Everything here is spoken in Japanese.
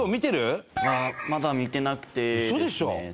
まだ見てなくてですね。